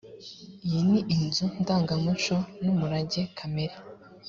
iyi ni inzu ndangamuco n’umurage kamere